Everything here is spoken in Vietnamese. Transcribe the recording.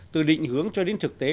từ định hướng cho đến thực tế